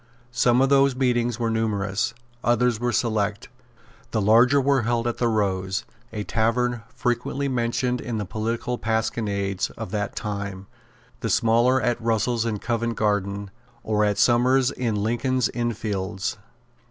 Some of those meetings were numerous; others were select. The larger were held at the Rose, a tavern frequently mentioned in the political pasquinades of that time; the smaller at Russell's in Covent Garden, or at Somers's in Lincoln's Inn Fields.